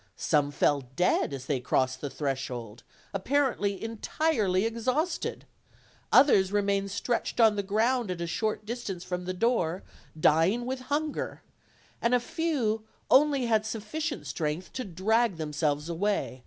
Some fell dead as they crossed the threshold, apparently entirely exhausted; others remained stretched on the ground at a short dis tance from the door, dying with hunger; and a few only 330 OLD, OLD FAIRY TALES. had sufficient strength to drag themselves away.